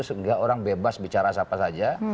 sehingga orang bebas bicara siapa saja